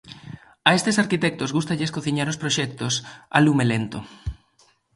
A estes arquitectos gústalles cociñar os proxectos a lume lento.